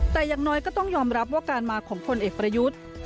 แต่อย่างน้อยก็ต้องยอมรับว่าการมาของพลเอกประยุทธ์